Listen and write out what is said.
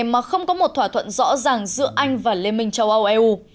mà không có một thỏa thuận rõ ràng giữa anh và liên minh châu âu eu